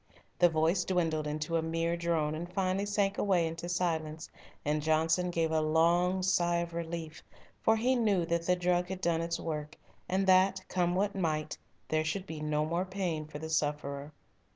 The voice dwindled into a mere drone and finally sank away into silence, and Johnson gave a long sigh of relief, for he knew that the drug had done its work and that, come what might, there should be no more pain for the sufferer.